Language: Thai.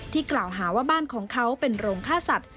กล่าวหาว่าบ้านของเขาเป็นโรงฆ่าสัตว